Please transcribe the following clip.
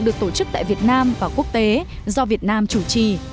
được tổ chức tại việt nam và quốc tế do việt nam chủ trì